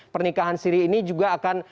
pernikahan siri ini juga akan